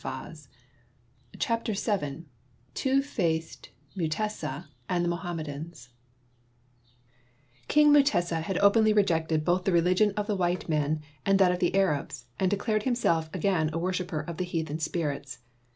134 CHAPTER VII THE TWO FACED MUTESA AND THE MOHAM MEDANS TZ"ING Mutesa had openly rejected both the religion of the white men and that of the Arabs, and declared himself again a worshiper of the heathen spirits.